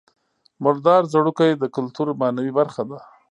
مردار ځړوکی د کولتور معنوي برخه ده